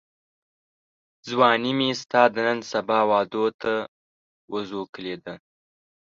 ځواني مي ستا د نن سبا وعدو ته وزوکلېده